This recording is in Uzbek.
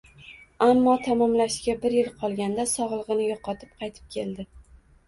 Ammo tamomlashiga bir yil qolganda sog`ligini yo`qotib qaytib keldi